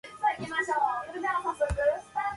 Finally the stars were engraved into the top corners.